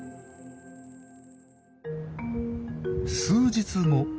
数日後。